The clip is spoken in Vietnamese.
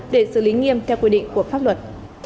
để xử lý nghiêm theo quy định của pháp luật